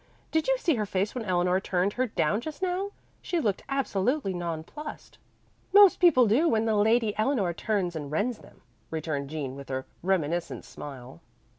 Did you see her face when Eleanor turned her down just now? She looked absolutely nonplussed." "Most people do when the lady Eleanor turns and rends them," returned Jean, with a reminiscent smile.